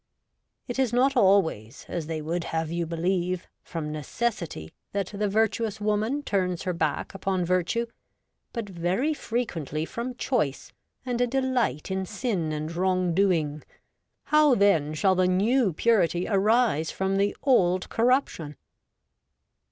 It is not always, as they would have you believe, from necessity that the. virtuous woman turns her back upon virtue, but very frequently from choice and a delight in sin and wrong doing. How then 6 REVOLTED WOMAN. shall the New Purity arise from the Old Cor ruption